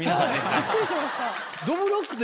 びっくりしました。